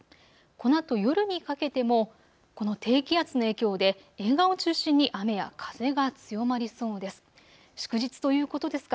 このあと夜にかけてもこの低気圧の影響で沿岸を中心に雨や風が強まりそうです。